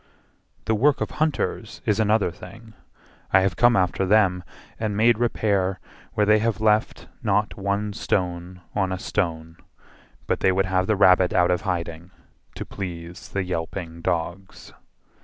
The work of hunters is another thing: I have come after them and made repair Where they have left not one stone on a stone, But they would have the rabbit out of hiding, To please the yelping dogs.